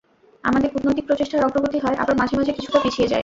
আমাদের কূটনৈতিক প্রচেষ্টার অগ্রগতি হয়, আবার মাঝে মাঝে কিছুটা পিছিয়ে যায়।